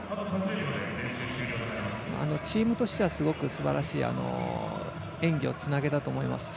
チームとしてはすごくすばらしい演技をつなげたと思います。